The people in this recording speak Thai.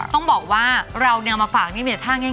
ต้องบอกว่าเราเนี้ยเอามาฝากเนี้ยเมียท่าย่าย